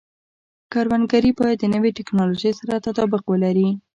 کروندګري باید د نوې ټکنالوژۍ سره تطابق ولري.